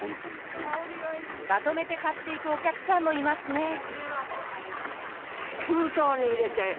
まとめて買っていくお客さんもいますね。